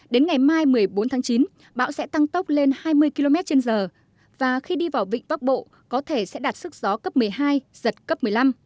đến ngày mai một mươi bốn tháng chín bão sẽ tăng tốc lên hai mươi km trên giờ và khi đi vào vịnh bắc bộ có thể sẽ đạt sức gió cấp một mươi hai giật cấp một mươi năm